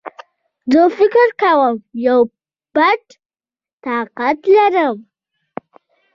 زه فکر کوم يو پټ طاقت لرم